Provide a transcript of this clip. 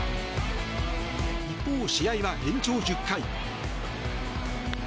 一方、試合は延長１０回。